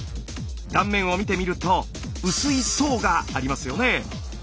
断面を見てみると薄い層がありますよね。